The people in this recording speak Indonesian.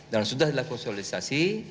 dan sudah dilakukan solidisasi